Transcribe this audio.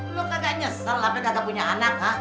lo gak nyesel lah gak punya anak ha